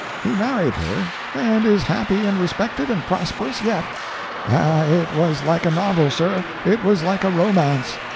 He married her, and is happy and respected and prosperous yet. Ah, it was like a novel, sir it was like a romance.